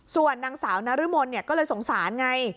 ส่วนนางสาวนรมนก็เลยสงสารไง